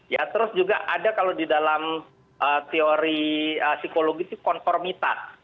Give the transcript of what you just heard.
ya terus juga ada kalau di dalam teori psikologi itu konformitas